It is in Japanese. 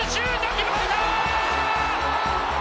決まったー！